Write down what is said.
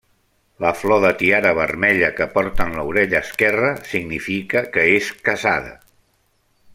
La flor de tiara vermella que porta en l'orella esquerra significa que és casada.